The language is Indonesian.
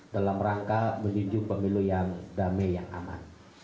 dalam rangka menjunjung pemilu yang damai yang aman